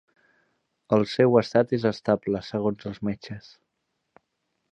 El seu estat és estable, segons els metges.